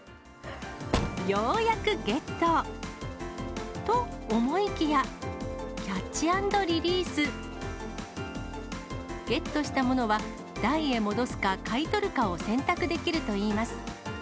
ようやくゲット。と思いきや、キャッチ＆リリース。ゲットしたものは、台へ戻すか買い取るかを選択できるといいます。